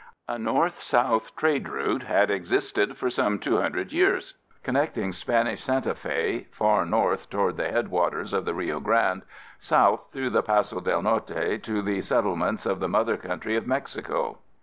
A North South trade route had existed for some two hundred years connecting Spanish Santa Fe, far north toward the headwaters of the Rio Grande, south through the Paso del Norte to the settlements in the mother country of Mexico.